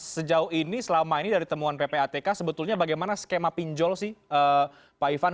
sejauh ini selama ini dari temuan ppatk sebetulnya bagaimana skema pinjol sih pak ivan